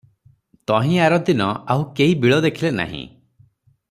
ତହିଁଆରଦିନ ଆଉ କେହିବିଳ ଦେଖିଲେ ନାହିଁ ।